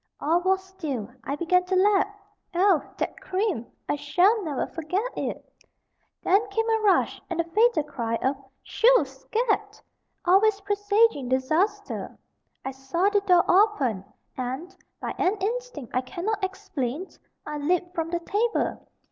All was still I began to lap. Oh! that cream! I shall never forget it! Then came a rush, and the fatal cry of "Shoo! scat!" always presaging disaster. I saw the door open, and, by an instinct I cannot explain, I leaped from the table.